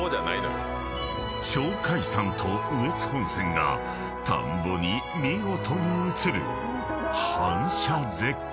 ［鳥海山と羽越本線が田んぼに見事に映る反射絶景］